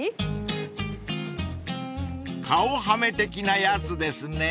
［顔はめ的なやつですね］